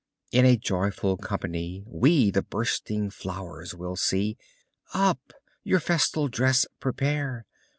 In a joyful company We the bursting flowers will see; Up! your festal dress prepare!